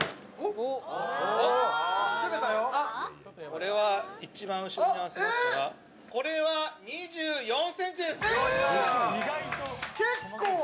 これは一番後ろに合わせますから、２４ｃｍです。